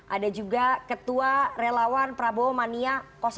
ada juga ketua relawan prabowo mania satu